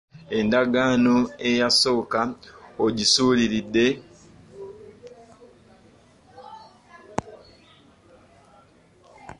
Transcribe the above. Endagaano eyasooka ogisuuliridde.